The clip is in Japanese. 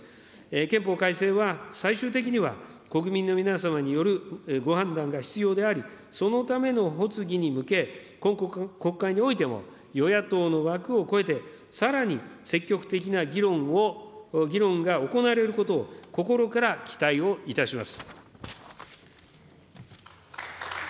憲法改正は、最終的には、国民の皆様によるご判断が必要であり、そのための発議に向け、今国会においても、与野党の枠を超えて、さらに積極的な議論を、議論が行われることを心から期待をいたします。